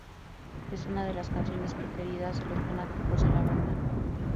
Es una de las canciones preferidas de los fanáticos de la banda.